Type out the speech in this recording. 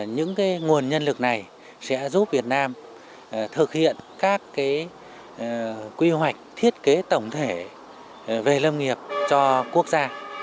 những nguồn nhân lực này sẽ giúp việt nam thực hiện các quy hoạch thiết kế tổng thể về lâm nghiệp cho quốc gia